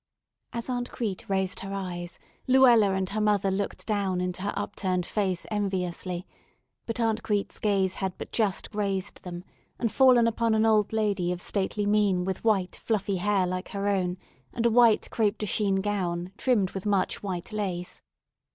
As Aunt Crete raised her eyes, Luella and her mother looked down into her upturned face enviously, but Aunt Crete's gaze had but just grazed them and fallen upon an old lady of stately mien with white, fluffy hair like her own, and a white crêpe de chine gown trimmed with much white lace.